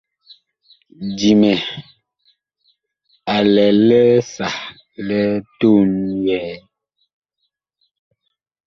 Dimɛ a lɛ li sah li tuun yɛɛ.